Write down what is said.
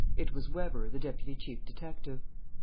It was Weber, the deputy chief detective.